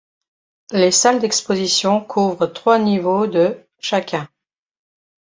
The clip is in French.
Les salles d'exposition couvrent trois niveaux de chacun.